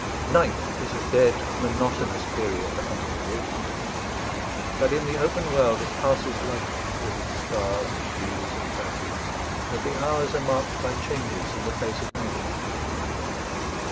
Night is a dead monotonous period under a roof: but in the open world it passes lightly, with its stars and dews and perfumes, and the hours are marked by changes in the face of Nature.